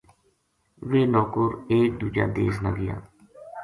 ویہ نوکر ٰٰٓٓایک دوجا دیس نا گیا